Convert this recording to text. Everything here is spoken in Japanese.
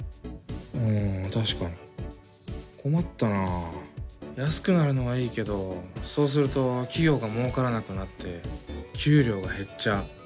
ん確かに困ったな。安くなるのはいいけどそうすると企業がもうからなくなって給料が減っちゃう。